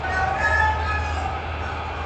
د شاه جهان په وخت کي